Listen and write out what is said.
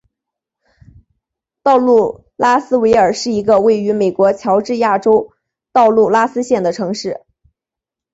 道格拉斯维尔是一个位于美国乔治亚州道格拉斯县的城市。